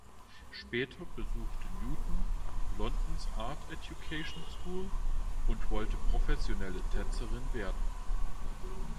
Später besuchte Newton die "London’s Art Education School" und wollte professionelle Tänzerin werden.